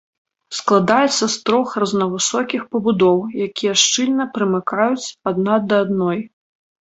Складаецца з трох рознавысокіх пабудоў, якія шчыльна прымыкаюць адна да адной.